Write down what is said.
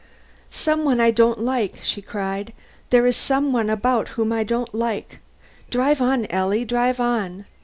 'Some one I don't like,' she cried. 'There is some one about whom I don't like. Drive on, Ellie, drive on.'